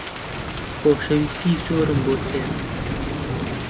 خۆشەویستیی زۆرم بۆت هەیە.